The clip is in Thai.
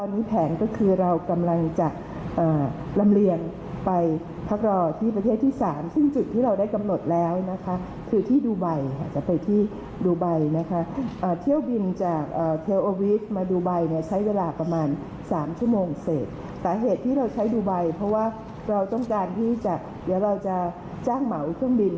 เดี๋ยวเราจะจ้างหม่าวิเครื่องบิน